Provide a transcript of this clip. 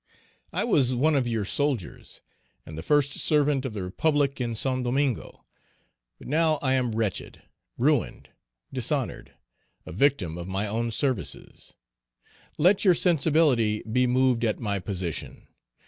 I was one of your soldiers, and the first servant of the Republic in St. Domingo; but now I am wretched, ruined, dishonored, a victim of my own services; let your sensibility be moved at my position.